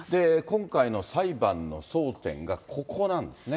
今回の裁判の争点がここなんですね。